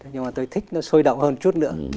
nhưng mà tôi thích nó sôi động hơn chút lượng